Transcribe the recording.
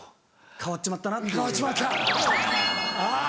変わっちまったあぁ。